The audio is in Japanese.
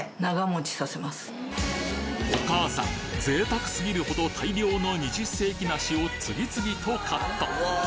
贅沢すぎるほど大量の二十世紀梨を次々とカット。